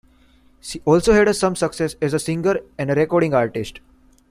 She also had some success as a singer and recording artist.